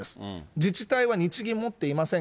自治体は日銀持っていません。